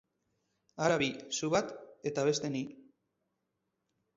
Hara bi: zu bat eta beste ni.